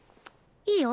いいよ。